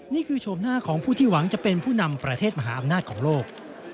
โฉมหน้าของผู้ที่หวังจะเป็นผู้นำประเทศมหาอำนาจของโลก